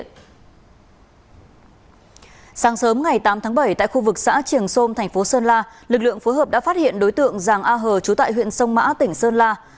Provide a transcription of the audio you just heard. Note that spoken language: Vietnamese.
sáng sớm ngày tám tháng bảy tại khu vực xã triềng sôm thành phố sơn la lực lượng phối hợp đã phát hiện đối tượng giàng a hờ trú tại huyện sông mã tỉnh sơn la